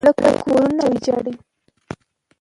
زلزله کورونه ویجاړوي.